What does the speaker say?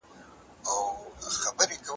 رڼا د تیارې دښمنه ده.